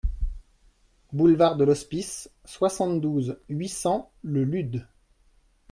Boulevard de l'Hospice, soixante-douze, huit cents Le Lude